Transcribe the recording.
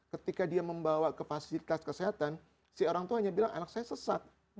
ketika dia membawa ke fasilitas kesehatan si orang tua hanya bilang anak saya sesat